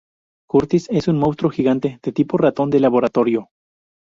Curtis es un monstruo gigante de tipo ratón de laboratorio.